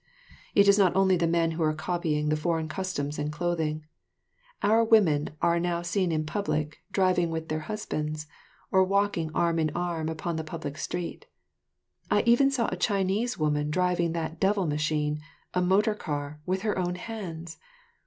It is not only the men who are copying the foreign customs and clothing. Our women are now seen in public, driving with their husbands, or walking arm in arm upon the public street. I even saw a Chinese woman driving that "devil machine," a motor car, with her own hands.